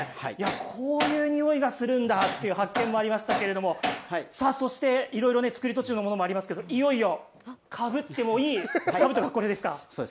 こういうにおいがするんだという発見もありましたけれどもさあ、そしていろいろ作り途中のものもありますけど、いよいよかぶってもいいかぶとがこれですか。